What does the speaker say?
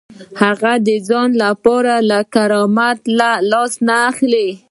هغه د ځان لپاره له کرامت لاس نه اخلي.